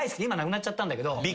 今なくなっちゃったんだけど。